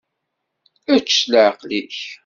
Ečč s leεqel-ik.